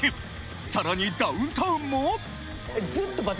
さらにダウンタウンもずっと。